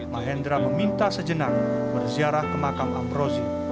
mahendra meminta sejenak berziarah ke makam amrozi